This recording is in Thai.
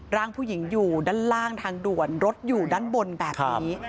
ร่างผู้หญิงอยู่ด้านล่างทางด่วนรถอยู่ด้านบนแบบนี้